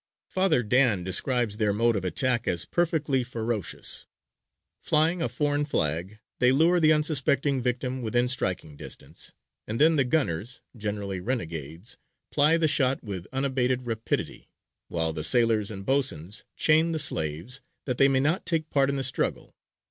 " Father Dan describes their mode of attack as perfectly ferocious. Flying a foreign flag, they lure the unsuspecting victim within striking distance, and then the gunners (generally renegades) ply the shot with unabated rapidity, while the sailors and boatswains chain the slaves that they may not take part in the struggle.